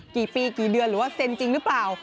กี่ปีกี่เดือนหรือว่าเซ็นจริงหรือเปล่า